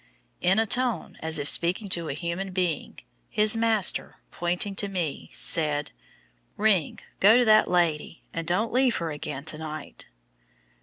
In a tone as if speaking to a human being, his master, pointing to me, said, "Ring, go to that lady, and don't leave her again to night."